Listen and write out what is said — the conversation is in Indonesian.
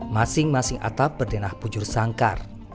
masing masing atap berdenah pujur sangkar